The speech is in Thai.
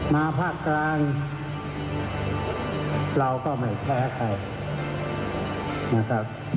มาภาคกลางเราก็ไม่แพ้ใครนะครับ